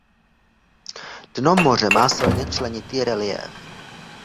Dno moře má silně členitý reliéf.